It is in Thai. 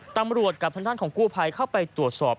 ตำรวจกับท่านของกู่ไพเข้าไปตรวจสอบ